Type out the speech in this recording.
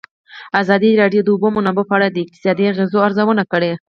ازادي راډیو د د اوبو منابع په اړه د اقتصادي اغېزو ارزونه کړې.